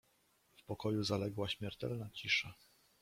"W pokoju zaległa śmiertelna cisza."